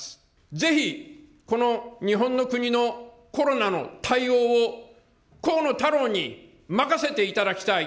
ぜひこの日本の国のコロナの対応を、河野太郎に任せていただきたい。